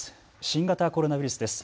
新型コロナウイルスです。